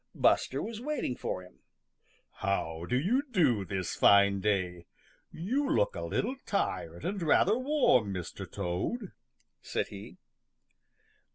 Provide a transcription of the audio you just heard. Buster was waiting for him. "How do you do this fine day? You look a little tired and rather warm, Mr. Toad," said he.